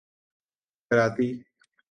کراتی